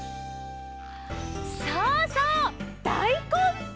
そうそうだいこん！